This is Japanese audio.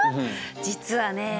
実はね